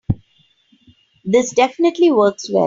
This definitely works well.